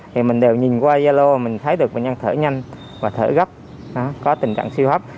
thì mình đều nhìn qua gia lô mình thấy được bệnh nhân thở nhanh và thở gấp có tình trạng siêu hấp